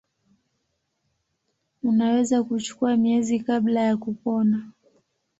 Unaweza kuchukua miezi kabla ya kupona.